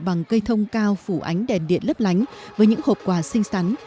bằng cây thông cao phủ ánh đèn điện lấp lánh với những hộp quà xinh xắn